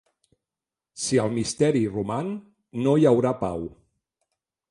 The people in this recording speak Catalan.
Si el misteri roman, no hi haurà pau.